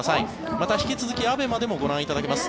また、引き続きＡＢＥＭＡでもご覧いただけます。